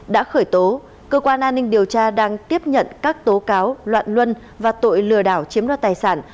đã khởi tố cơ quan an ninh điều tra đang tiếp nhận các tố cáo loạn luân và tội lừa đảo chiếm đoạt tài sản